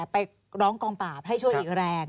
ไปร้องกล่องปาบให้ช่วยกังแรง